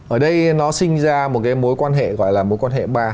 ở đây nó sinh ra một cái mối quan hệ gọi là mối quan hệ ba